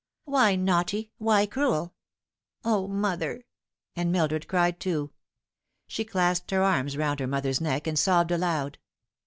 " Why naughty ? why cruel ? O, mother !" and Mildred cried too. She clasped her arms round her mother's neck and sobbed aloud.